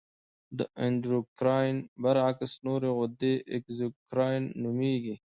د اندورکراین برعکس نورې غدې اګزوکراین نومیږي.